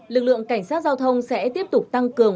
lực lượng cảnh sát giao thông sẽ tiếp tục tăng cường